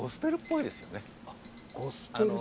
あっゴスペル。